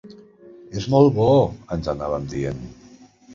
«És molt bo», ens anàvem dient.